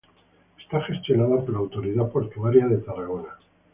Está gestionado por la autoridad portuaria de Tarragona.